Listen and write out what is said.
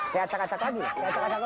saya acak acak lagi saya acak acak lagi